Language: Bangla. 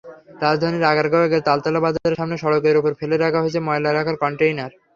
রাজধানীর আগারগাঁওয়ে তালতলা বাজারের সামনের সড়কের ওপর ফেলে রাখা হয়েছে ময়লা রাখার কনটেইনার।